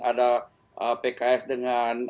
ada pks dengan